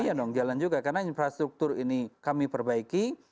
iya dong jalan juga karena infrastruktur ini kami perbaiki